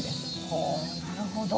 ほうなるほど。